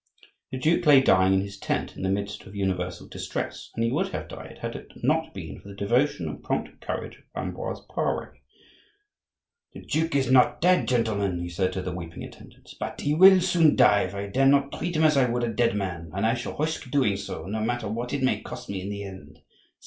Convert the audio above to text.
The duke lay dying in his tent in the midst of universal distress, and he would have died had it not been for the devotion and prompt courage of Ambroise Pare. "The duke is not dead, gentlemen," he said to the weeping attendants, "but he soon will die if I dare not treat him as I would a dead man; and I shall risk doing so, no matter what it may cost me in the end.